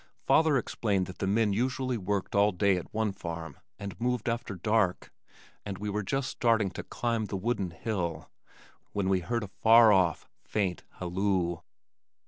Father explained that the men usually worked all day at one farm and moved after dark, and we were just starting to "climb the wooden hill" when we heard a far off faint halloo.